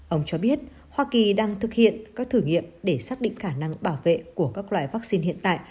ông cho biết hoa kỳ đang thực hiện các thử nghiệm để xác định khả năng bảo vệ của các loại vaccine hiện tại